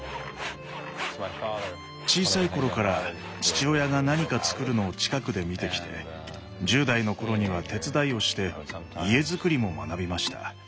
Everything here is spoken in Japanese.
小さい頃から父親が何かつくるのを近くで見てきて１０代の頃には手伝いをして家づくりも学びました。